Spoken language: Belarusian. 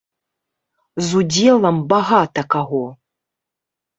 З удзелам багата каго.